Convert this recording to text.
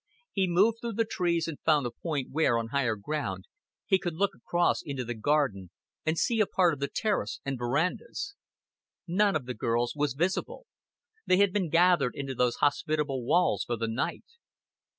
He moved through the trees and found a point where, on higher ground, he could look across into the garden and see a part of the terrace and verandas. None of the girls was visible. They had been gathered into those hospitable walls for the night.